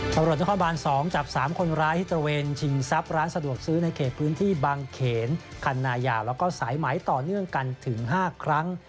ตำรวจนครบาน๒จับ๓คนร้ายที่ตระเวนชิงทรัพย์ร้านสะดวกซื้อในเขตพื้นที่บางเขนคันนายาวแล้วก็สายไหมต่อเนื่องกันถึง๕ครั้ง